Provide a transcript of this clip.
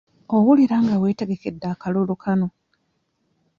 Owulira nga weetegekedde akalulu kano?